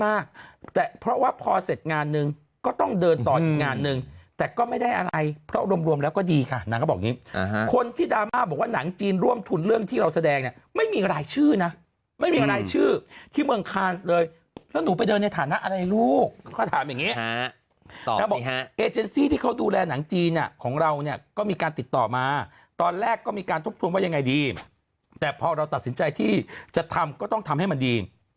แดกแต่เพราะว่าพอเสร็จงานหนึ่งก็ต้องเดินต่ออีกงานหนึ่งแต่ก็ไม่ได้อะไรเพราะรวมรวมแล้วก็ดีค่ะนางก็บอกอย่างนี้คนที่ดราม่าบอกว่าหนังจีนร่วมทุนเรื่องที่เราแสดงเนี่ยไม่มีรายชื่อนะไม่มีรายชื่อที่เมืองคานซ์เลยแล้วหนูไปเดินใน